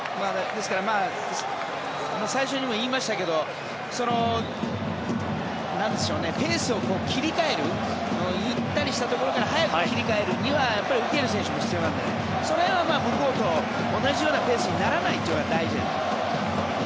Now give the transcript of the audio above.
ですから最初にも言いましたけどペースを切り替えるゆったりしたところから速く切り替えるには受ける選手も必要なのでその辺は向こうと同じようなペースにならないのが大事だね。